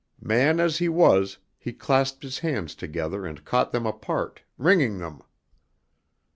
Man as he was he clasped his hands together and caught them apart, wringing them.